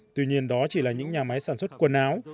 tuy nhiên đó chỉ là những nhà máy sản xuất quần áo